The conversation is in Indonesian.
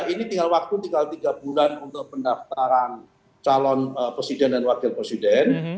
ini tinggal waktu tinggal tiga bulan untuk pendaftaran calon presiden dan wakil presiden